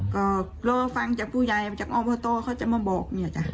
ก็โล่ฟังจากผู้ใหญ่จากออมพอตัวเขาจะมาบอก